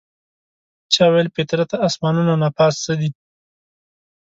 چا ویل فطرته اسمانونو نه پاس څه دي؟